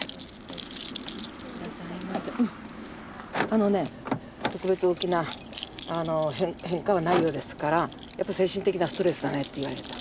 あのね特別大きな変化はないようですからやっぱ精神的なストレスだねって言われた。